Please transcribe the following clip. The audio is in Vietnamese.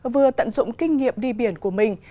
vừa tận dụng kinh nghiệm đi biển của mình